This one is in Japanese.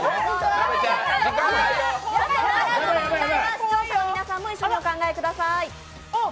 視聴者の皆さんも一緒にお考えください。